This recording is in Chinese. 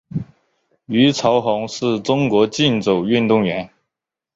虞朝鸿是中国竞走运动员。